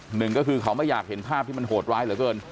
หนึ่งก็คือเขาไม่อยากเห็นภาพที่มันโหดร้ายเหลือเกิน